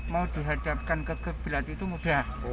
mau dihadapkan ke geblat itu mudah